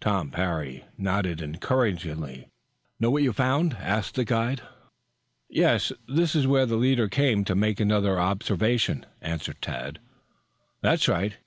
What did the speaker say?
Tom Parry nodded encouragingly. "Know what you've found?" "Yes, this is where the leader came to make another observation," answered Tad. "That's right.